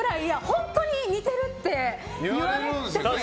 本当に似てるって言われるんですよ。